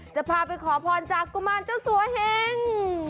จะพาไปขอพรจากกุมารเจ้าสัวเหง